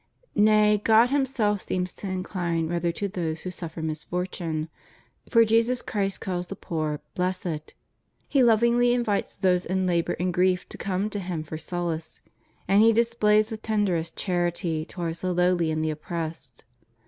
Nay, God Himself seems to incline rather to those who suffer misfortune; for Jesus Christ calls the poor "blessed";* He lovingly invites those in labor and grief to come to Him for solace;^ and He displays the tenderest charity towards the lowly and the oppressed.